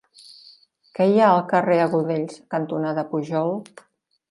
Què hi ha al carrer Agudells cantonada Pujol?